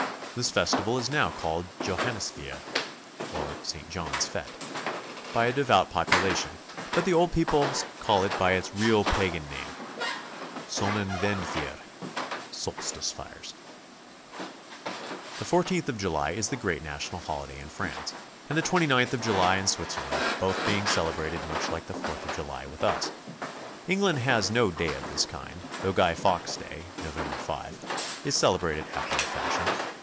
This festival is now called Johan nisfeier, or St. John's fete, by a devout population, but the old people call it by its real pagan name, Sonnenwendfeuer, solstice fires. WHY, WHO, AND WHEN TO GO. 19 The 14th of July is the great national holiday in France, and the 29th of July in Switzerland, boith being celebrated much like the 4th of July with us. England has no day of this kind, though Guy Fawkes' day, Nov. 5, is celebrated after a fashion.